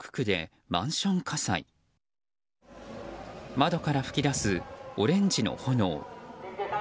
窓から噴き出すオレンジの炎。